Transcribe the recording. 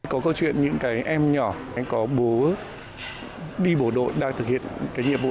có câu chuyện những cái em nhỏ em có bố đi bộ đội đang thực hiện cái nhiệm vụ